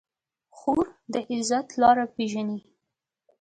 خور د عزت لاره پېژني.